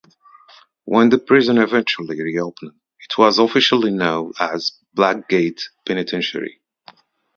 When the prison eventually re-opened, it was officially known as "Blackgate Penitentiary".